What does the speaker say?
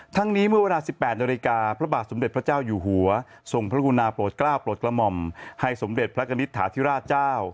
ทั้งนี้เมื่อเวลา๑๘นาฬิกาพระบาทสมเด็จพระเจ้าอยู่หัวทรงพระกุณาโปรดกล้าวโปรดกระหม่อมให้สมเด็จพระกณิตฐาธิราชเจ้า